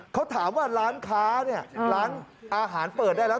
เขาถามว่าล้านขาล้านอาหารเปิดได้แล้ว